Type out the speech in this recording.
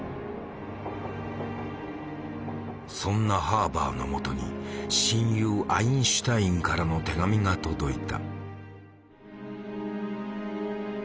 そんなハーバーのもとに親友アインシュタインからの手紙が届いた。